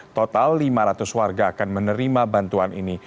total lima ratus warga akan menerima bantuan ini